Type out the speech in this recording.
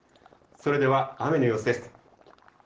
それでは雨の様子です。